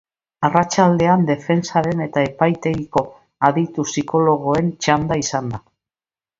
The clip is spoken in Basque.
Arratsaldean defentsaren eta epaitegiko aditu psikologoen txanda izan da.